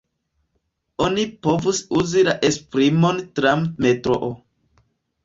Oni povus uzi la esprimon tram-metroo.